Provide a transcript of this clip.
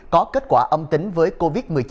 có kết quả âm tính với covid một mươi chín